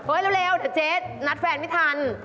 เออเร็วเดี๋ยวเจ๊นัดแฟนไปทำ